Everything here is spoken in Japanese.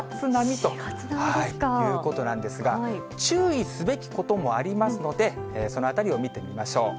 ということなんですが、注意すべきこともありますので、そのあたりを見てみましょう。